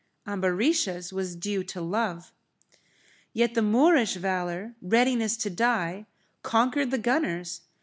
Ambarisha's was due to love. Yet the Moorish valour, readiness to die, conquered the gunners.